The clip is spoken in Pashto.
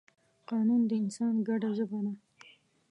قانون د انسان ګډه ژبه ده.